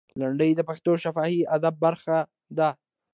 لنډۍ د پښتو شفاهي ادب برخه ده.